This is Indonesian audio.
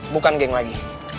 bukan geng lagi